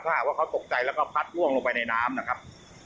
ถึงถ้าหากเขาตกใจแล้วก็พลัดด้วงไปในน้ำครับ